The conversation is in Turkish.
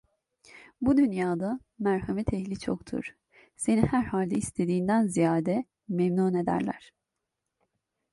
Bu dünyada merhamet ehli çoktur, seni herhalde istediğinden ziyade, memnun ederler.